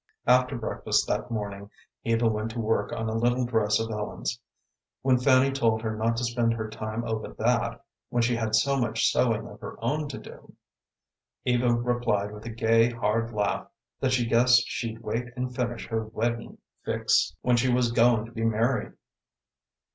After breakfast that morning Eva went to work on a little dress of Ellen's. When Fanny told her not to spend her time over that, when she had so much sewing of her own to do, Eva replied with a gay, hard laugh, that she guessed she'd wait and finish her weddin' fix when she was goin' to be married.